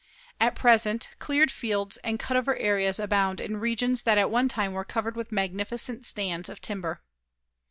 At present, cleared fields and cutover areas abound in regions that at one time were covered with magnificent stands of timber.